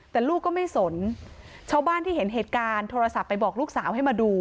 แต่ลูกก็ไม่สนชาวบ้านที่เห็นเหตุการณ์โทรศัพท์ไปบอกลูกสาวให้มาดู